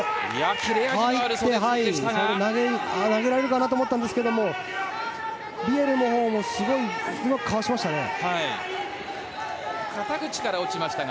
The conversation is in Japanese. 切れ味のある袖釣り込み腰でしたが投げられるかなと思ったんですけどビエルのほうもすごいうまくかわしましたね。